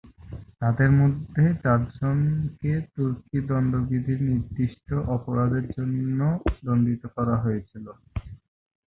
তাদের মধ্যে চারজনকে "তুর্কি দণ্ডবিধি"র নির্দিষ্ট অপরাধের জন্য দণ্ডিত করা হয়েছিল।